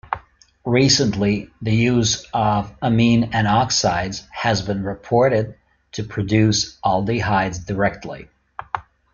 Recently, the use of amine N-oxides has been reported to produce aldehydes directly.